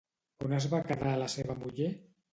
On es va quedar la seva muller?